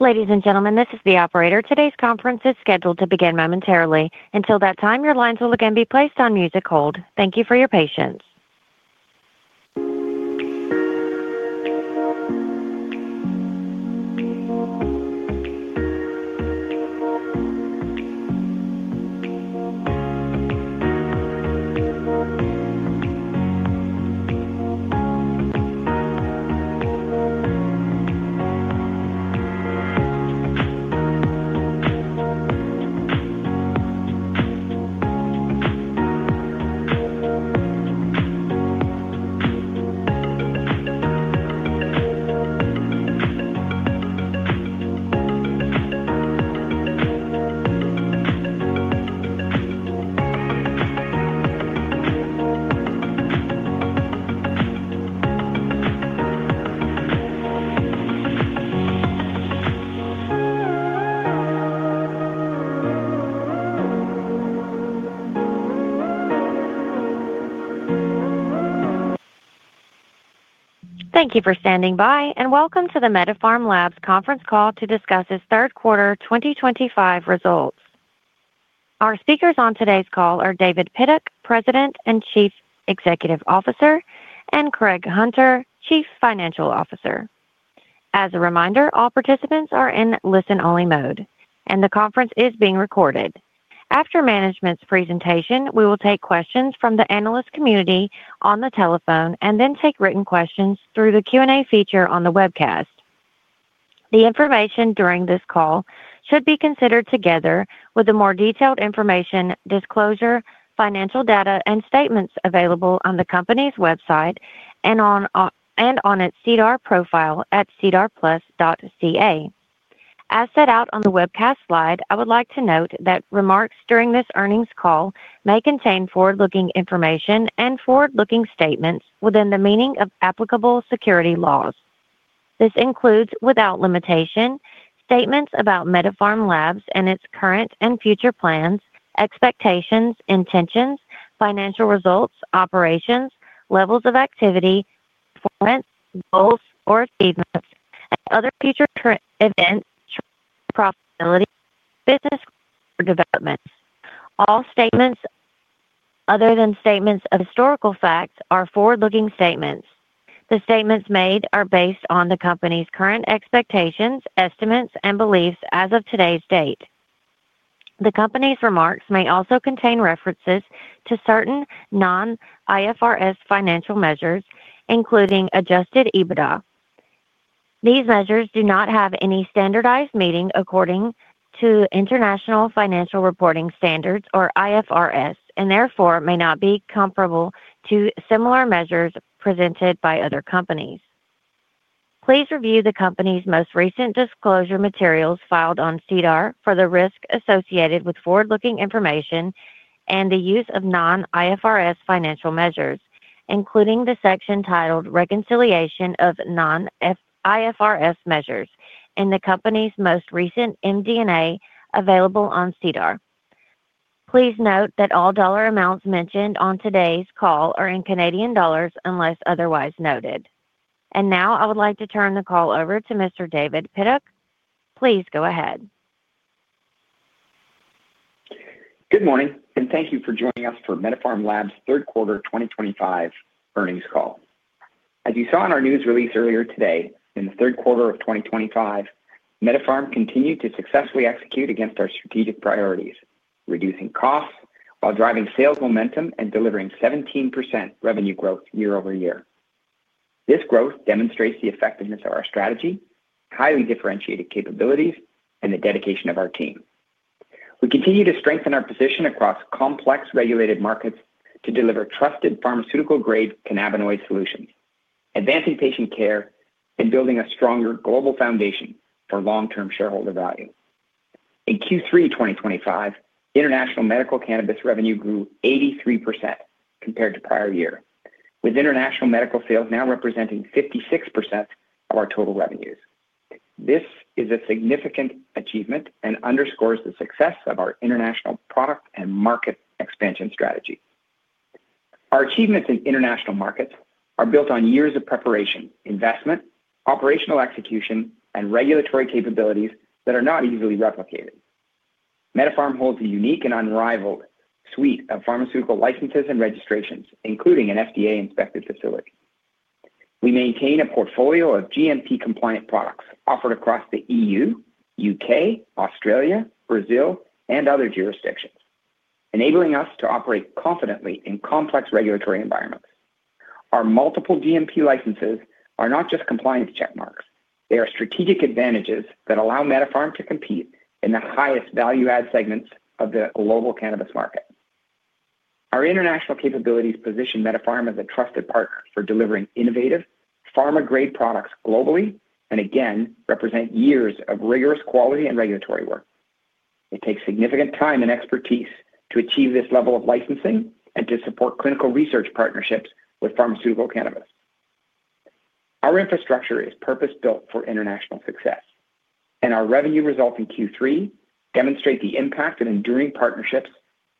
Ladies and gentlemen, this is the operator. Today's conference is scheduled to begin momentarily. Until that time, your lines will again be placed on music hold. Thank you for your patience. Thank you for standing by, and welcome to the MediPharm Labs conference call to discuss its third quarter 2025 results. Our speakers on today's call are David Pidduck, President and Chief Executive Officer, and Greg Hunter, Chief Financial Officer. As a reminder, all participants are in listen-only mode, and the conference is being recorded. After management's presentation, we will take questions from the analyst community on the telephone and then take written questions through the Q&A feature on the webcast. The information during this call should be considered together with the more detailed information, disclosure, financial data, and statements available on the company's website and on its SEDAR profile at sedarplus.ca. As set out on the webcast slide, I would like to note that remarks during this earnings call may contain forward-looking information and forward-looking statements within the meaning of applicable security laws. This includes, without limitation, statements about MediPharm Labs and its current and future plans, expectations, intentions, financial results, operations, levels of activity, performance, goals, or achievements, and other future events, profitability, business developments. All statements other than statements of historical facts are forward-looking statements. The statements made are based on the company's current expectations, estimates, and beliefs as of today's date. The company's remarks may also contain references to certain non-IFRS financial measures, including adjusted EBITDA. These measures do not have any standardized meaning according to International Financial Reporting Standards, or IFRS, and therefore may not be comparable to similar measures presented by other companies. Please review the company's most recent disclosure materials filed on SEDAR for the risk associated with forward-looking information and the use of non-IFRS financial measures, including the section titled Reconciliation of non-IFRS measures in the company's most recent MD&A available on SEDAR. Please note that all dollar amounts mentioned on today's call are in CAD unless otherwise noted. I would like to turn the call over to Mr. David Pidduck. Please go ahead. Good morning, and thank you for joining us for MediPharm Labs' Third Quarter 2025 Earnings Call. As you saw in our news release earlier today, in the third quarter of 2025, MediPharm continued to successfully execute against our strategic priorities, reducing costs while driving sales momentum and delivering 17% revenue growth year-over-year. This growth demonstrates the effectiveness of our strategy, highly differentiated capabilities, and the dedication of our team. We continue to strengthen our position across complex regulated markets to deliver trusted pharmaceutical-grade Cannabinoid solutions, advancing patient care, and building a stronger global foundation for long-term shareholder value. In Q3 2025, international medical cannabis revenue grew 83% compared to prior year, with international medical sales now representing 56% of our total revenues. This is a significant achievement and underscores the success of our international product and market expansion strategy. Our achievements in international markets are built on years of preparation, investment, operational execution, and regulatory capabilities that are not easily replicated. MediPharm holds a unique and unrivaled suite of pharmaceutical licenses and registrations, including an FDA-inspected facility. We maintain a portfolio of GMP-compliant products offered across the EU, U.K., Australia, Brazil, and other jurisdictions, enabling us to operate confidently in complex regulatory environments. Our multiple GMP licenses are not just compliance checkmarks. They are strategic advantages that allow MediPharm to compete in the highest value-add segments of the global cannabis market. Our international capabilities position MediPharm as a trusted partner for delivering innovative pharma-grade products globally and, again, represent years of rigorous quality and regulatory work. It takes significant time and expertise to achieve this level of licensing and to support clinical research partnerships with pharmaceutical cannabis. Our infrastructure is purpose-built for international success, and our revenue results in Q3 demonstrate the impact of enduring partnerships,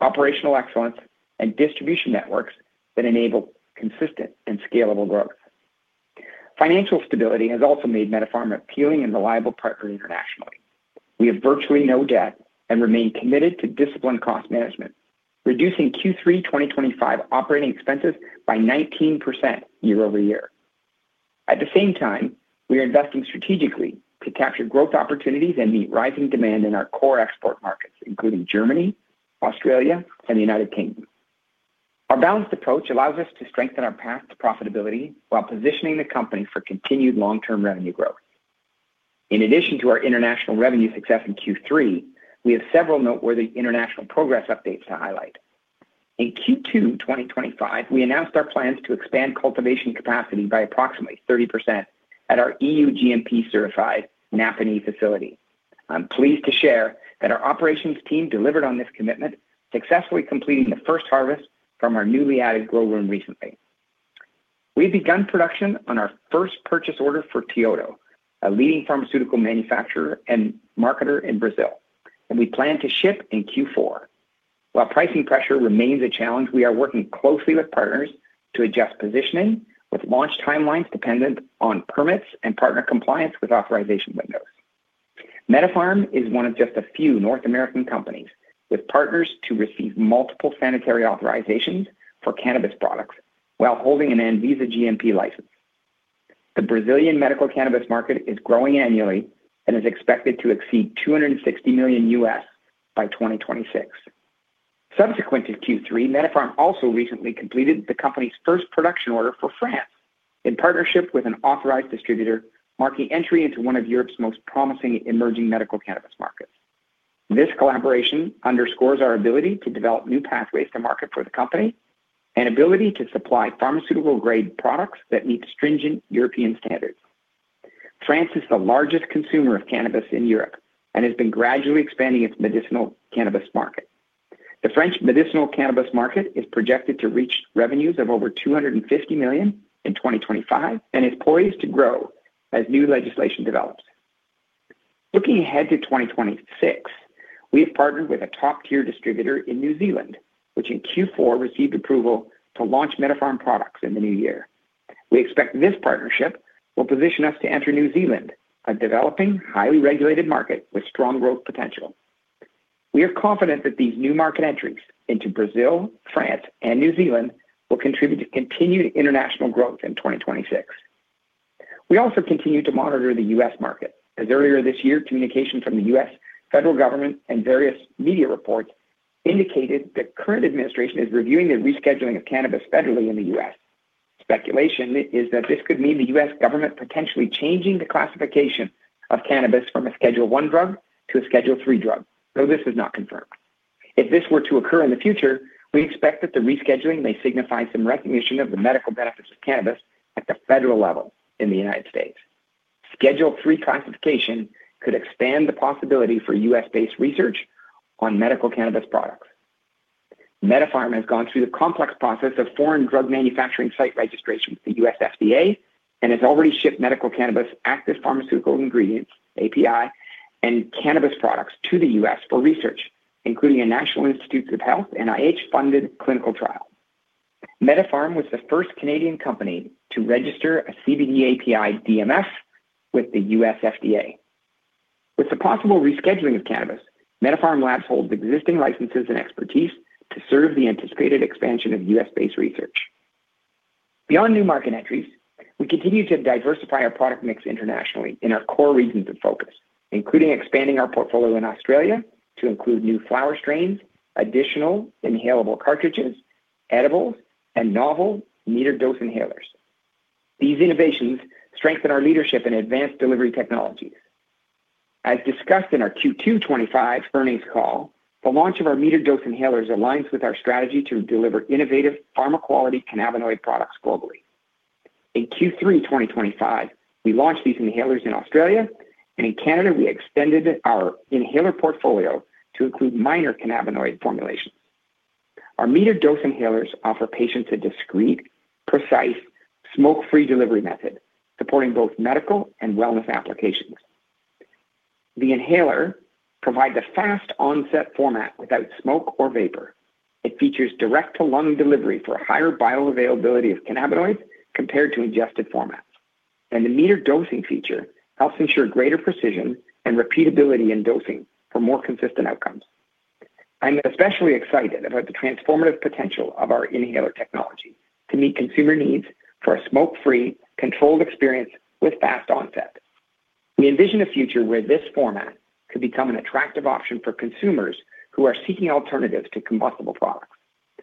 operational excellence, and distribution networks that enable consistent and scalable growth. Financial stability has also made MediPharm an appealing and reliable partner internationally. We have virtually no debt and remain committed to disciplined cost management, reducing Q3 2025 operating expenses by 19% year-over-year. At the same time, we are investing strategically to capture growth opportunities and meet rising demand in our core export markets, including Germany, Australia, and the United Kingdom. Our balanced approach allows us to strengthen our path to profitability while positioning the company for continued long-term revenue growth. In addition to our international revenue success in Q3, we have several noteworthy international progress updates to highlight. In Q2 2025, we announced our plans to expand cultivation capacity by approximately 30% at our EU GMP-certified Naphany facility. I'm pleased to share that our operations team delivered on this commitment, successfully completing the first harvest from our newly added grow room recently. We've begun production on our first purchase order for Teuto, a leading pharmaceutical manufacturer and marketer in Brazil, and we plan to ship in Q4. While pricing pressure remains a challenge, we are working closely with partners to adjust positioning, with launch timelines dependent on permits and partner compliance with authorization windows. MediPharm is one of just a few North American companies with partners to receive multiple sanitary authorizations for cannabis products while holding an Anvisa GMP license. The Brazilian medical cannabis market is growing annually and is expected to exceed $260 million by 2026. Subsequent to Q3, MediPharm also recently completed the company's first production order for France in partnership with an authorized distributor, marking entry into one of Europe's most promising emerging medical cannabis markets. This collaboration underscores our ability to develop new pathways to market for the company and ability to supply pharmaceutical-grade products that meet stringent European standards. France is the largest consumer of cannabis in Europe and has been gradually expanding its medicinal cannabis market. The French medicinal cannabis market is projected to reach revenues of over 250 million in 2025 and is poised to grow as new legislation develops. Looking ahead to 2026, we have partnered with a top-tier distributor in New Zealand, which in Q4 received approval to launch MediPharm products in the new year. We expect this partnership will position us to enter New Zealand, a developing, highly regulated market with strong growth potential. We are confident that these new market entries into Brazil, France, and New Zealand will contribute to continued international growth in 2026. We also continue to monitor the U.S. market, as earlier this year, communication from the U.S. federal government and various media reports indicated the current administration is reviewing the rescheduling of cannabis federally in the U.S. Speculation is that this could mean the U.S. government potentially changing the classification of cannabis from a Schedule I drug to a Schedule III drug, though this is not confirmed. If this were to occur in the future, we expect that the rescheduling may signify some recognition of the medical benefits of cannabis at the federal level in the United States. Schedule III classification could expand the possibility for U.S.-based research on medical cannabis products. MediPharm has gone through the complex process of foreign drug manufacturing site registration with the U.S. FDA and has already shipped medical cannabis active pharmaceutical ingredients, API, and cannabis products to the U.S. for research, including a National Institutes of Health, NIH-funded clinical trial. MediPharm was the first Canadian company to register a CBD API DMF with the U.S. FDA. With the possible rescheduling of cannabis, MediPharm Labs holds existing licenses and expertise to serve the anticipated expansion of U.S.-based research. Beyond new market entries, we continue to diversify our product mix internationally in our core regions of focus, including expanding our portfolio in Australia to include new flower strains, additional inhalable cartridges, edibles, and novel metered-dose inhalers. These innovations strengthen our leadership in advanced delivery technologies. As discussed in our Q2 2025 earnings call, the launch of our metered-dose inhalers aligns with our strategy to deliver innovative pharma-quality Cannabinoid products globally. In Q3 2025, we launched these inhalers in Australia, and in Canada, we extended our inhaler portfolio to include minor Cannabinoid formulations. Our metered-dose inhalers offer patients a discreet, precise, smoke-free delivery method, supporting both medical and wellness applications. The inhaler provides a fast-onset format without smoke or vapor. It features direct-to-lung delivery for higher bioavailability of Cannabinoids compared to ingested formats, and the metered dosing feature helps ensure greater precision and repeatability in dosing for more consistent outcomes. I'm especially excited about the transformative potential of our inhaler technology to meet consumer needs for a smoke-free, controlled experience with fast onset. We envision a future where this format could become an attractive option for consumers who are seeking alternatives to combustible products,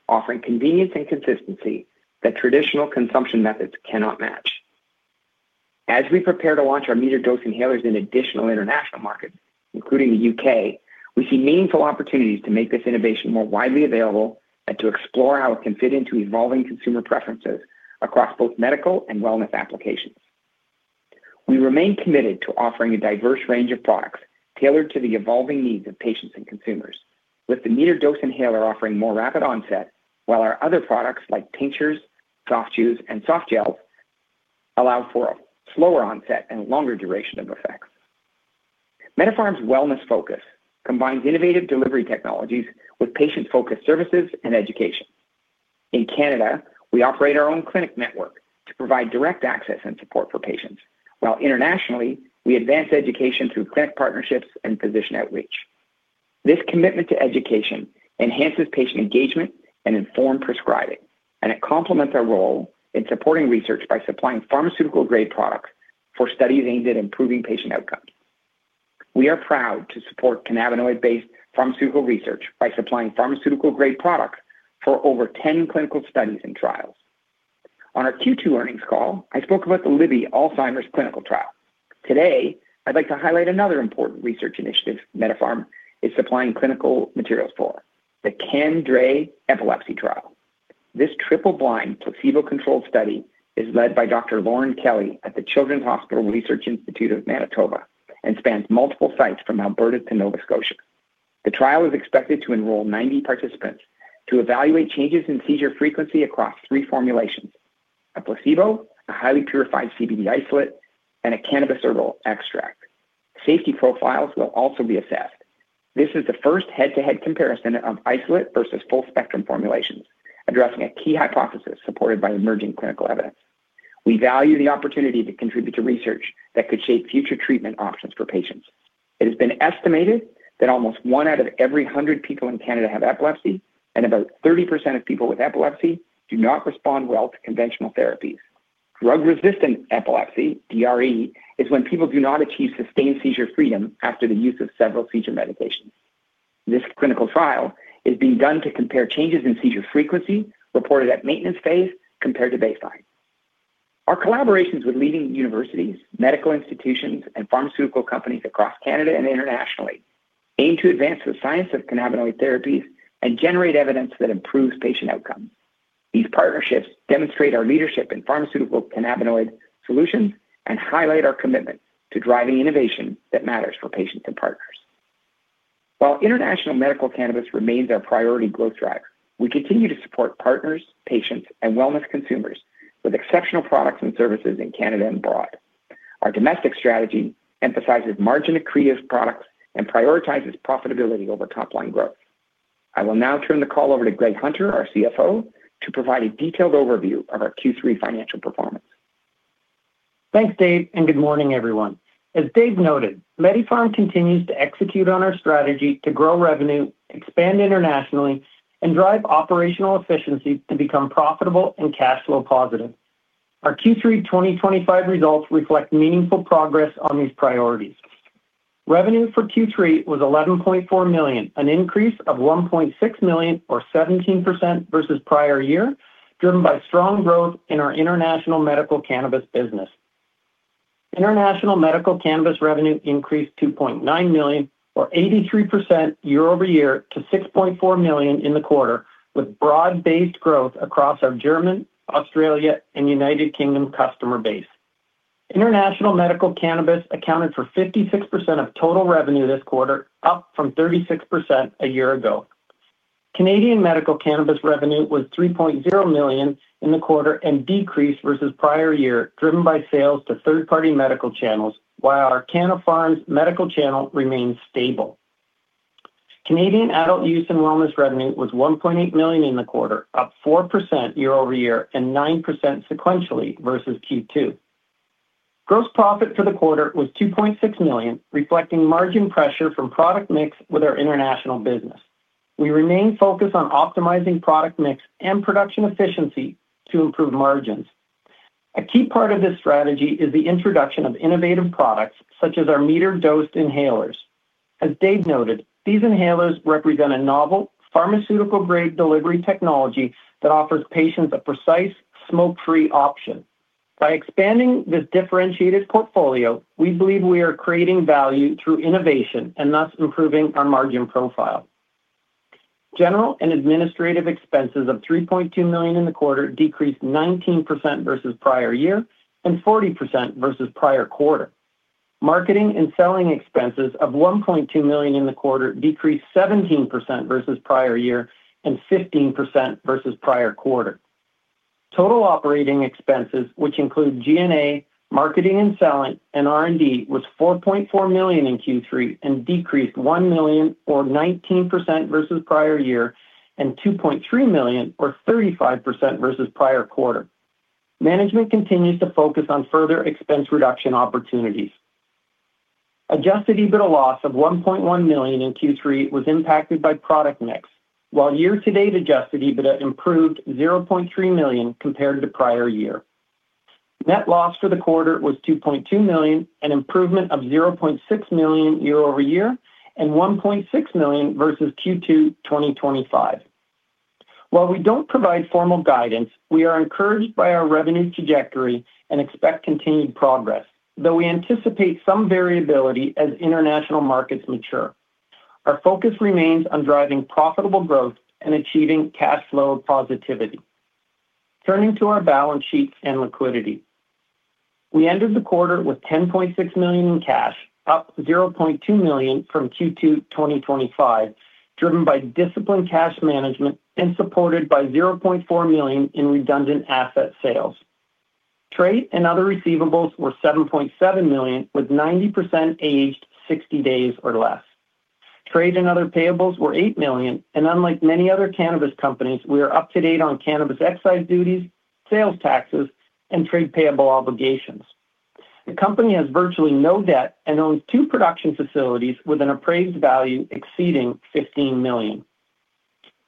offering convenience and consistency that traditional consumption methods cannot match. As we prepare to launch our metered-dose inhalers in additional international markets, including the U.K., we see meaningful opportunities to make this innovation more widely available and to explore how it can fit into evolving consumer preferences across both medical and wellness applications. We remain committed to offering a diverse range of products tailored to the evolving needs of patients and consumers, with the metered-dose inhaler offering more rapid onset while our other products, like tinctures, soft chews, and soft gels, allow for a slower onset and longer duration of effects. MediPharm's wellness focus combines innovative delivery technologies with patient-focused services and education. In Canada, we operate our own clinic network to provide direct access and support for patients, while internationally, we advance education through clinic partnerships and physician outreach. This commitment to education enhances patient engagement and informed prescribing, and it complements our role in supporting research by supplying pharmaceutical-grade products for studies aimed at improving patient outcomes. We are proud to support Cannabinoid-based pharmaceutical research by supplying pharmaceutical-grade products for over 10 clinical studies and trials. On our Q2 earnings call, I spoke about the LiBBy Alzheimer's clinical trial. Today, I'd like to highlight another important research initiative MediPharm is supplying clinical materials for, the CAN-DRE epilepsy trial. This triple-blind, placebo-controlled study is led by Dr. Lauren Kelly at the Children's Hospital Research Institute of Manitoba and spans multiple sites from Alberta to Nova Scotia. The trial is expected to enroll 90 participants to evaluate changes in seizure frequency across three formulations: a placebo, a highly purified CBD isolate, and a cannabis herbal extract. Safety profiles will also be assessed. This is the first head-to-head comparison of isolate versus full-spectrum formulations, addressing a key hypothesis supported by emerging clinical evidence. We value the opportunity to contribute to research that could shape future treatment options for patients. It has been estimated that almost one out of every 100 people in Canada have epilepsy, and about 30% of people with epilepsy do not respond well to conventional therapies. Drug-resistant epilepsy, DRE, is when people do not achieve sustained seizure freedom after the use of several seizure medications. This clinical trial is being done to compare changes in seizure frequency reported at maintenance phase compared to baseline. Our collaborations with leading universities, medical institutions, and pharmaceutical companies across Canada and internationally aim to advance the science of cannabinoid therapies and generate evidence that improves patient outcomes. These partnerships demonstrate our leadership in pharmaceutical cannabinoid solutions and highlight our commitment to driving innovation that matters for patients and partners. While international medical cannabis remains our priority growth driver, we continue to support partners, patients, and wellness consumers with exceptional products and services in Canada and abroad. Our domestic strategy emphasizes margin accretive products and prioritizes profitability over top-line growth. I will now turn the call over to Greg Hunter, our CFO, to provide a detailed overview of our Q3 financial performance. Thanks, Dave, and good morning, everyone. As Dave noted, MediPharm continues to execute on our strategy to grow revenue, expand internationally, and drive operational efficiency to become profitable and cash flow positive. Our Q3 2025 results reflect meaningful progress on these priorities. Revenue for Q3 was 11.4 million, an increase of 1.6 million, or 17%, versus prior year, driven by strong growth in our international medical cannabis business. International medical cannabis revenue increased 2.9 million, or 83% year-over-year, to 6.4 million in the quarter, with broad-based growth across our German, Australia, and United Kingdom. customer base. International medical cannabis accounted for 56% of total revenue this quarter, up from 36% a year ago. Canadian medical cannabis revenue was 3.0 million in the quarter and decreased versus prior year, driven by sales to third-party medical channels, while our Canna Farms medical channel remained stable. Canadian adult use and wellness revenue was 1.8 million in the quarter, up 4% year-over-year and 9% sequentially versus Q2. Gross profit for the quarter was 2.6 million, reflecting margin pressure from product mix with our international business. We remain focused on optimizing product mix and production efficiency to improve margins. A key part of this strategy is the introduction of innovative products such as our metered-dose inhalers. As Dave noted, these inhalers represent a novel pharmaceutical-grade delivery technology that offers patients a precise, smoke-free option. By expanding this differentiated portfolio, we believe we are creating value through innovation and thus improving our margin profile. General and administrative expenses of 3.2 million in the quarter decreased 19% versus prior year and 40% versus prior quarter. Marketing and selling expenses of 1.2 million in the quarter decreased 17% versus prior year and 15% versus prior quarter. Total operating expenses, which include G&A, marketing and selling, and R&D, was 4.4 million in Q3 and decreased 1 million, or 19% versus prior year, and 2.3 million, or 35% versus prior quarter. Management continues to focus on further expense reduction opportunities. Adjusted EBITDA loss of 1.1 million in Q3 was impacted by product mix, while year-to-date adjusted EBITDA improved 0.3 million compared to prior year. Net loss for the quarter was 2.2 million, an improvement of 0.6 million year over year and 1.6 million versus Q2 2025. While we do not provide formal guidance, we are encouraged by our revenue trajectory and expect continued progress, though we anticipate some variability as international markets mature. Our focus remains on driving profitable growth and achieving cash flow positivity. Turning to our balance sheets and liquidity, we ended the quarter with 10.6 million in cash, up 0.2 million from Q2 2025, driven by disciplined cash management and supported by 0.4 million in redundant asset sales. Trade and other receivables were 7.7 million, with 90% aged 60 days or less. Trade and other payables were 8 million, and unlike many other cannabis companies, we are up to date on cannabis excise duties, sales taxes, and trade payable obligations. The company has virtually no debt and owns two production facilities with an appraised value exceeding 15 million.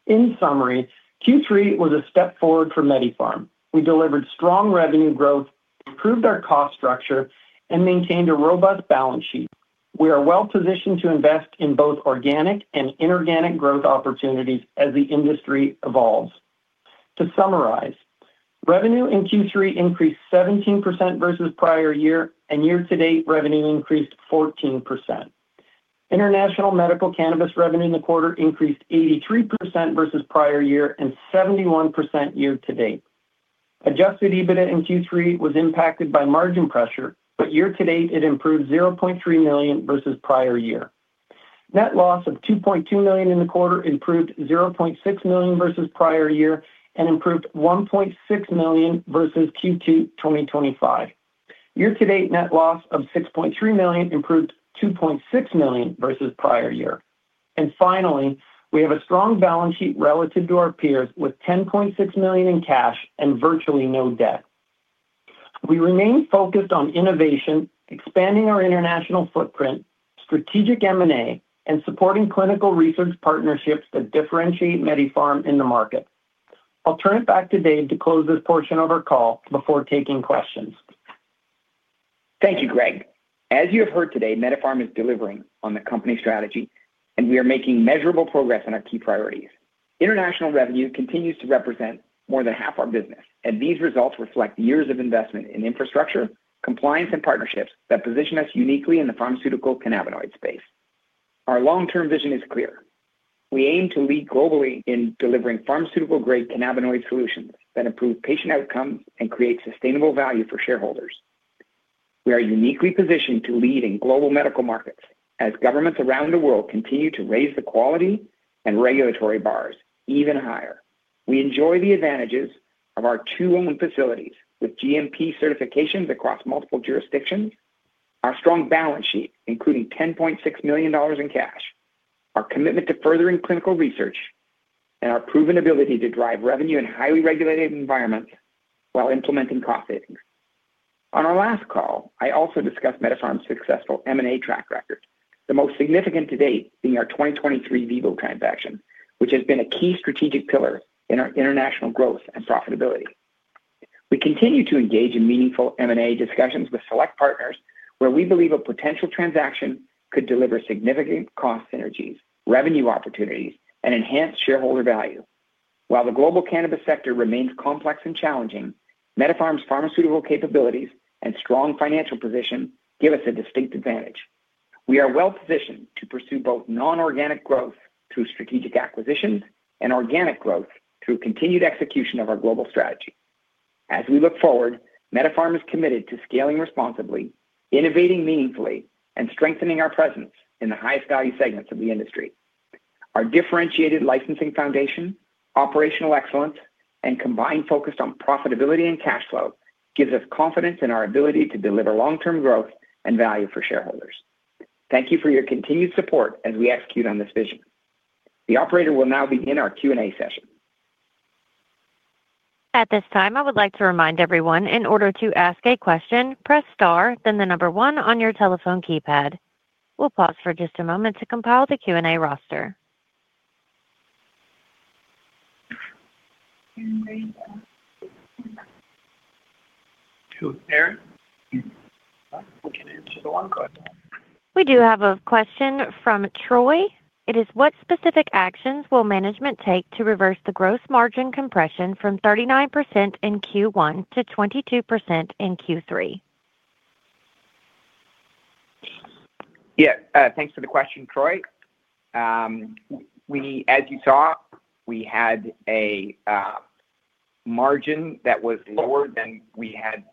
In summary, Q3 was a step forward for MediPharm. We delivered strong revenue growth, improved our cost structure, and maintained a robust balance sheet. We are well positioned to invest in both organic and inorganic growth opportunities as the industry evolves. To summarize, revenue in Q3 increased 17% versus prior year, and year-to-date revenue increased 14%. International medical cannabis revenue in the quarter increased 83% versus prior year and 71% year-to-date. Adjusted EBITDA in Q3 was impacted by margin pressure, but year-to-date it improved 0.3 million versus prior year. Net loss of 2.2 million in the quarter improved 0.6 million versus prior year and improved 1.6 million versus Q2 2025. Year-to-date net loss of 6.3 million improved 2.6 million versus prior year. Finally, we have a strong balance sheet relative to our peers with 10.6 million in cash and virtually no debt. We remain focused on innovation, expanding our international footprint, strategic M&A, and supporting clinical research partnerships that differentiate MediPharm in the market. I'll turn it back to Dave to close this portion of our call before taking questions. Thank you, Greg. As you have heard today, MediPharm Labs is delivering on the company strategy, and we are making measurable progress on our key priorities. International revenue continues to represent more than half our business, and these results reflect years of investment in infrastructure, compliance, and partnerships that position us uniquely in the pharmaceutical cannabinoid space. Our long-term vision is clear. We aim to lead globally in delivering pharmaceutical-grade Cannabinoid solutions that improve patient outcomes and create sustainable value for shareholders. We are uniquely positioned to lead in global medical markets as governments around the world continue to raise the quality and regulatory bars even higher. We enjoy the advantages of our two-owned facilities with GMP certifications across multiple jurisdictions, our strong balance sheet, including 10.6 million dollars in cash, our commitment to furthering clinical research, and our proven ability to drive revenue in highly regulated environments while implementing cost savings. On our last call, I also discussed MediPharm's successful M&A track record, the most significant to date being our 2023 Vivo transaction, which has been a key strategic pillar in our international growth and profitability. We continue to engage in meaningful M&A discussions with select partners where we believe a potential transaction could deliver significant cost synergies, revenue opportunities, and enhance shareholder value. While the global cannabis sector remains complex and challenging, MediPharm's pharmaceutical capabilities and strong financial position give us a distinct advantage. We are well positioned to pursue both non-organic growth through strategic acquisitions and organic growth through continued execution of our global strategy. As we look forward, MediPharm is committed to scaling responsibly, innovating meaningfully, and strengthening our presence in the highest value segments of the industry. Our differentiated licensing foundation, operational excellence, and combined focus on profitability and cash flow gives us confidence in our ability to deliver long-term growth and value for shareholders. Thank you for your continued support as we execute on this vision. The operator will now begin our Q&A session. At this time, I would like to remind everyone, in order to ask a question, press star, then the number one on your telephone keypad. We'll pause for just a moment to compile the Q&A roster. We do have a question from Troy. It is, what specific actions will management take to reverse the gross margin compression from 39% in Q1 to 22% in Q3? Yes, thanks for the question, Troy. As you saw, we had a margin that was lower than we had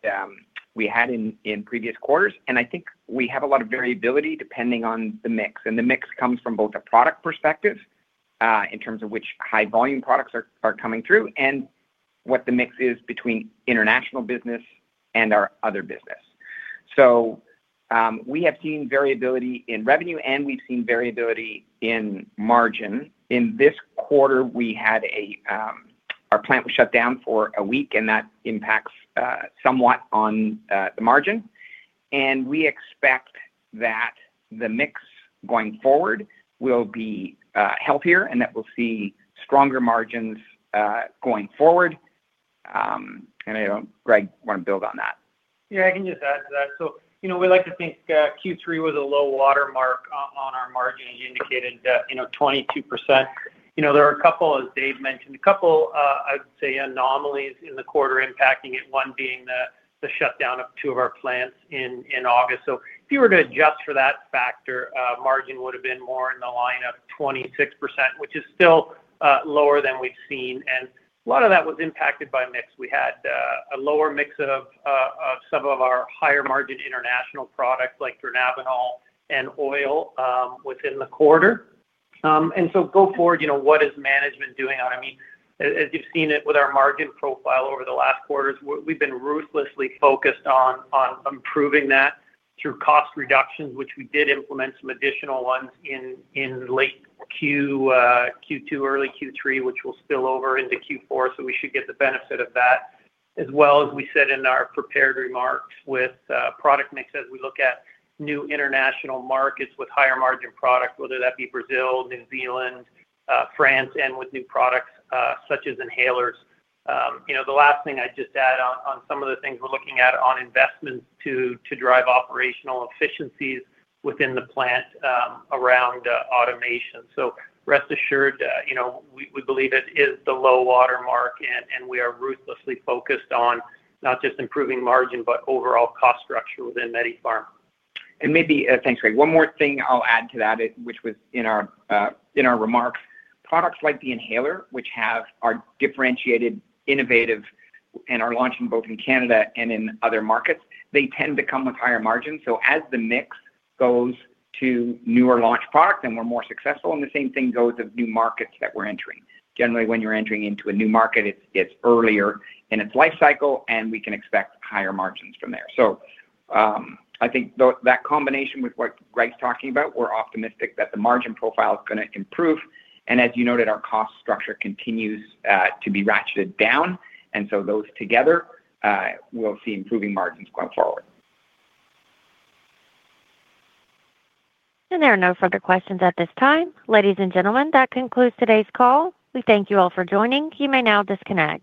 in previous quarters, and I think we have a lot of variability depending on the mix. The mix comes from both a product perspective in terms of which high-volume products are coming through and what the mix is between international business and our other business. We have seen variability in revenue, and we have seen variability in margin. In this quarter, our plant was shut down for a week, and that impacts somewhat on the margin. We expect that the mix going forward will be healthier and that we will see stronger margins going forward. I know Greg wanted to build on that. Yeah, I can just add to that. We like to think Q3 was a low watermark on our margin, as you indicated, 22%. There are a couple, as Dave mentioned, a couple, I would say, anomalies in the quarter impacting it, one being the shutdown of two of our plants in August. If you were to adjust for that factor, margin would have been more in the line of 26%, which is still lower than we've seen. A lot of that was impacted by mix. We had a lower mix of some of our higher-margin international products like Dronabinol and Oil within the quarter. Go forward, what is management doing on it? I mean, as you've seen with our margin profile over the last quarters, we've been ruthlessly focused on improving that through cost reductions, which we did implement some additional ones in late Q2, early Q3, which will spill over into Q4. We should get the benefit of that, as well as we said in our prepared remarks with product mix as we look at new international markets with higher-margin products, whether that be Brazil, New Zealand, France, and with new products such as inhalers. The last thing I'd just add on some of the things we're looking at on investments to drive operational efficiencies within the plant around automation. Rest assured, we believe it is the low watermark, and we are ruthlessly focused on not just improving margin, but overall cost structure within MediPharm. Maybe thanks, Greg. One more thing I'll add to that, which was in our remarks. Products like the inhaler, which are differentiated, innovative, and are launching both in Canada and in other markets, they tend to come with higher margins. As the mix goes to newer launch products and we're more successful, and the same thing goes of new markets that we're entering. Generally, when you're entering into a new market, it's earlier in its life cycle, and we can expect higher margins from there. I think that combination with what Greg's talking about, we're optimistic that the margin profile is going to improve. As you noted, our cost structure continues to be ratcheted down. Those together, we'll see improving margins going forward. There are no further questions at this time. Ladies and gentlemen, that concludes today's call. We thank you all for joining. You may now disconnect.